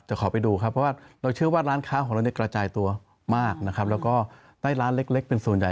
ขอไปดูครับเพราะว่าเราเชื่อว่าร้านค้าของเราเนี่ยกระจายตัวมากนะครับแล้วก็ใต้ร้านเล็กเป็นส่วนใหญ่